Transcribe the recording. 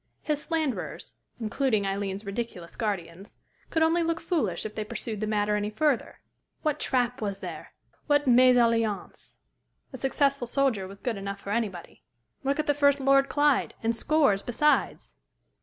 His slanderers including Aileen's ridiculous guardians could only look foolish if they pursued the matter any further. What "trap" was there what mésalliance? A successful soldier was good enough for anybody. Look at the first Lord Clyde, and scores besides.